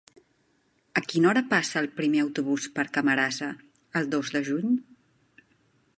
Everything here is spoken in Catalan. A quina hora passa el primer autobús per Camarasa el dos de juny?